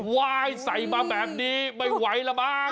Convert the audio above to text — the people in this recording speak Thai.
ว้ายใส่มาแบบนี้ไม่ไหวแล้วบ้าง